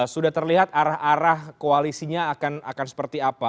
sudah terlihat arah arah koalisinya akan seperti apa